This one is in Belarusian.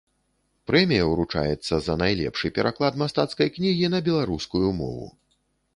Прэмія ўручаецца за найлепшы пераклад мастацкай кнігі на беларускую мову.